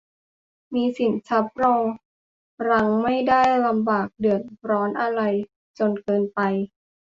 มีสินทรัพย์รองรังไม่ได้ลำบากเดือดร้อนอะไรจนเกินไป